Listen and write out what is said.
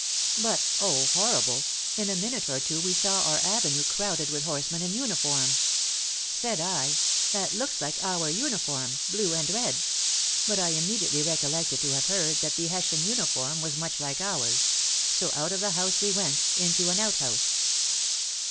But, oh! horrible! in a minute or two we saw our avenue crowded with horsemen in uniform. Said I, 'that looks like our uniform blue and red;' but I immediately recollected to have heard that the Hessian uniform was much like ours; so out of the house we went, into an out house."